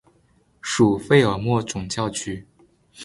属费尔莫总教区。